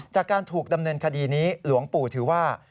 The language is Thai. จากการถูกดำเนินคดีนี้หลวงปู่ถือว่า